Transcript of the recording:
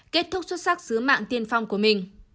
kết thúc xuất sắc sứ mạng tiên phong của mình